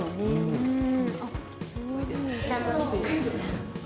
うん。